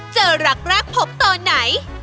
เจอหลักพบตอนไหน